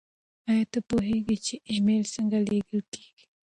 ایا ته پوهېږې چې ایمیل څنګه لیږل کیږي؟